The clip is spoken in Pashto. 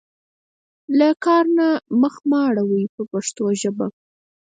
له کار نه مخ مه اړوئ په پښتو ژبه.